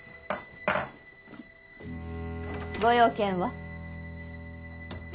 ご用件は？